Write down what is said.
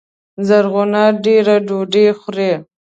زرغونه دېره ډوډۍ خوري